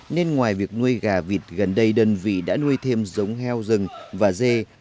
nên ngoài việc nuôi gà vịt gần đây đơn vị đã nuôi thêm giống heo rừng và dê